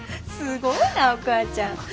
すごいなお母ちゃん。